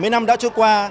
bảy mươi năm đã trôi qua